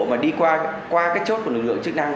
mà đi qua cái chốt của lực lượng chức năng